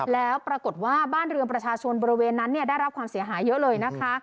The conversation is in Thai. แล้วปรากฏว่าบ้านเรือนประชาชนบริเวณนั้นได้รับความเสียหายเยอะเลยนะคะ